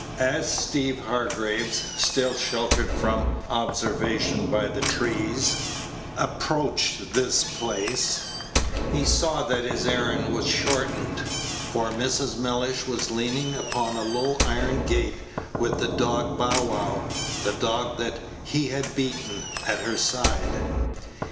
As Steeve Hargraves, still sheltered from observation by the trees, approached this place, he saw that his errand was shortened, for Mrs. Mellish was leaning upon a low iron gate, with the dog Bow wow, the dog that he had beaten, at her side.